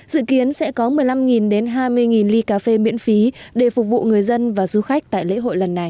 dự kiến sẽ có một mươi năm hai mươi ly cà phê miễn phí để phục vụ người dân và du khách tại lễ hội lần này